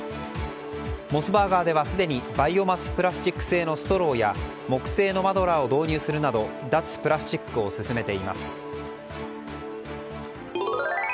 モスバーガーではすでにバイオマスプラスチック製のストローや木製のマドラーを導入するなど脱プラスチックを進めています。